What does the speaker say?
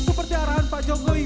kepercayaan pak jokowi